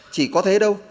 chỉ có thế đâu